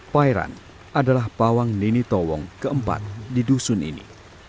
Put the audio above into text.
pairan adalah pawang nini towong keempat di dusun ini